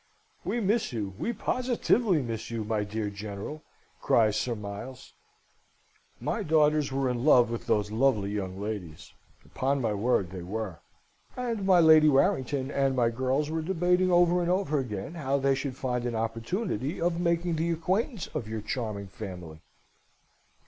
"We miss you, we positively miss you, my dear General," cries Sir Miles. "My daughters were in love with those lovely young ladies upon my word, they were; and my Lady Warrington and my girls were debating over and over again how they should find an opportunity of making the acquaintance of your charming family.